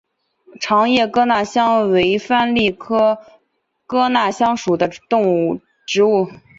长叶哥纳香为番荔枝科哥纳香属的植物。